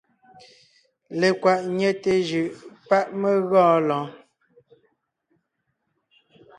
Lekwàʼ ńnyɛte jʉʼ páʼ mé gɔɔn lɔɔn.